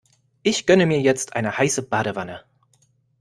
Ich gönne mir jetzt eine heiße Badewanne.